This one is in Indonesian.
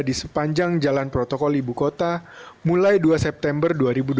di sepanjang jalan protokol ibu kota mulai dua september dua ribu dua puluh